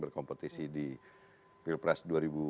berkompetisi di pilpres dua ribu empat belas dua ribu sembilan belas